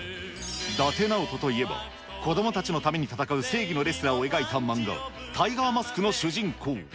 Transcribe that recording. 伊達直人といえば、子どもたちのために戦う正義のレスラーを描いた漫画、タイガーマスクの主人公。